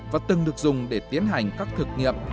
và từng được dùng để tiến hành các thực nghiệm